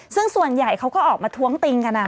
ซึ่งส่วนใหญ่เขาก็ออกมาท้วงติงกัน